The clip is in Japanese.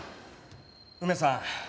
梅さん。